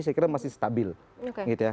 saya kira masih sedikit